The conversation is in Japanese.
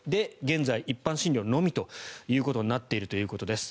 現在、一般診療のみということになっていると。